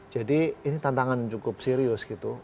jadi ini tantangan cukup serius gitu